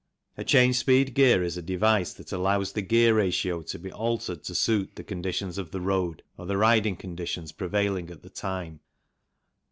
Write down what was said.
A change speed gear is a device that allows the gear ratio to be altered to suit the conditions of the road or the riding conditions prevailing at the time.